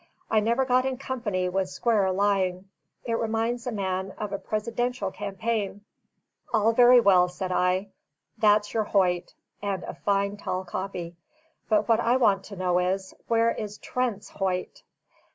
I never got in company with squarer lying; it reminds a man of a presidential campaign." "All very well," said I. "That's your Hoyt, and a fine, tall copy. But what I want to know is, where is Trent's Hoyt?"